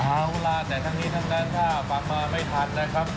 เอาล่ะแต่ทั้งนี้ทั้งนั้นถ้าฟังมาไม่ทันนะครับ